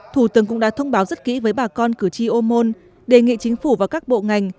thủ tướng cũng đã thông báo rất kỹ với bà con cử tri ô môn đề nghị chính phủ và các bộ ngành